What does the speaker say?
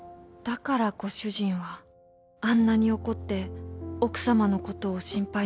だからご主人はあんなに怒って奥様のことを心配なさって。